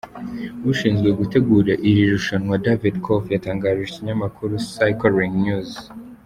Ushinzwe gutegura iri rushanwa David Koff yatangarije ikinyamakuru Cyclingnews.